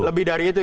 lebih dari itu